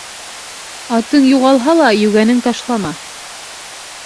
Атың юғалһа ла, йүгәнең ташлама.